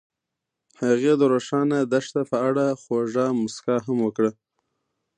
هغې د روښانه دښته په اړه خوږه موسکا هم وکړه.